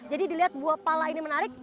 jadi dilihat buah pala ini menarik